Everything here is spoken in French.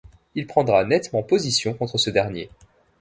Il prendra nettement position contre ce dernier.